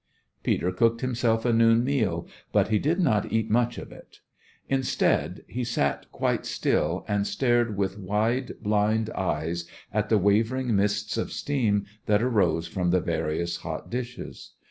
Peter cooked himself a noon meal, but he did not eat much of it. Instead, he sat quite still and stared with wide, blind eyes at the wavering mists of steam that arose from the various hot dishes.